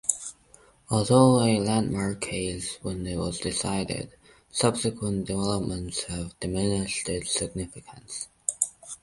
Although a landmark case when it was decided, subsequent developments have diminished its significance.